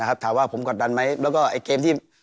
ถามว่าผมกดดันไหมแล้วก็ไอ้เกมที่